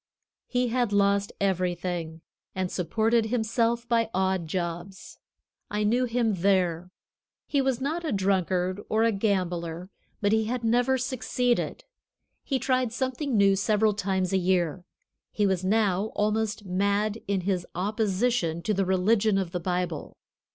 He had lost everything, and supported himself by odd jobs. I knew him there. He was not a drunkard or a gambler, but he had never succeeded. He tried something new several times a year. He was now almost mad in his opposition to the religion of the Bible.